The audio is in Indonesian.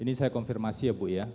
ini saya konfirmasi ya bu ya